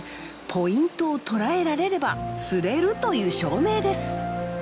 ポイントを捉えられれば釣れるという証明です。